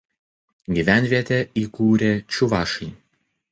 Gyvenvietę įkūrė čiuvašai.